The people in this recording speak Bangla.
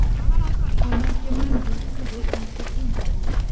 আমার কেমন রোক হল, ঐ পথেই যাব।